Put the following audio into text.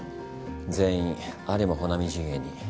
全員有馬保奈美陣営に。